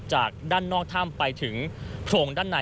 จากด้านนอกถ้ำไปถึงโพรงด้านใน